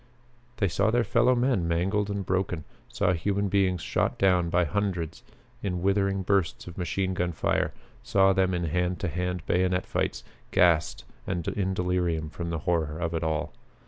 They saw their fellow men mangled and broken; saw human beings shot down by hundreds in withering bursts of machine gun fire; saw them in hand to hand bayonet fights; gassed and in delirium from the horror of it all.